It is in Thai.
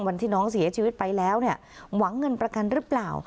วันที่น้องเสียชีวิตไปแล้วเนี่ยหวังเงินประกันหรือเปล่า